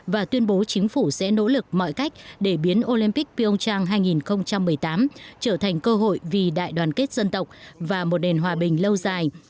và tuyên bố chính phủ sẽ nỗ lực mọi cách để biến olympic pionchang hai nghìn một mươi tám trở thành cơ hội vì đại đoàn kết dân tộc và một nền hòa bình lâu dài